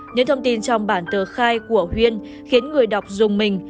những thông tin trong bản tờ khai của huyên khiến người đọc dùng mình